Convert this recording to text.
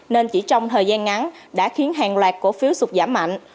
nên chỉ trong thời gian ngắn đã khiến hàng loạt cổ phiếu sụt giảm mạnh